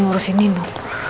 ngurusin ini bu